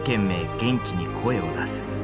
元気に声を出す」。